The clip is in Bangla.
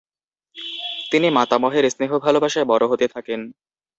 তিনি মাতামহের স্নেহ-ভালোবাসায় বড় হতে থাকেন।